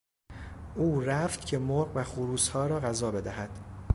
او رفت که مرغ و خروسها را غذا بدهد.